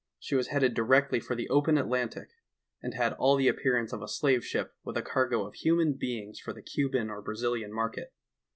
She was headed directly for the open Atlantic, and had all the appearance of a slave ship with a cargo of human beings for the Cuban or Brazilian market.